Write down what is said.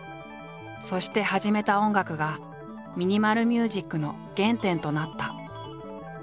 そして始めた音楽がミニマル・ミュージックの原点となった。